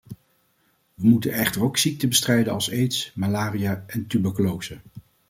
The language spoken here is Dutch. We moeten echter ook ziekten bestrijden als aids, malaria en tuberculose.